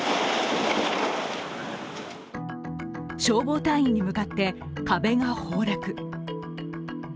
消防隊員に向かって、壁が崩落。